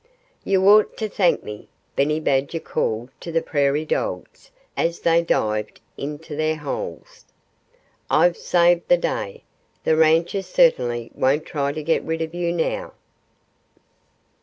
"You ought to thank me!" Benny Badger called to the prairie dogs as they dived into their holes. "I've saved the day! The rancher certainly won't try to get rid of you now."